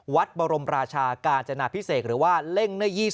วัดบรมราชากาญจนาพิเศษหรือว่าเล่งหน้ายี่๒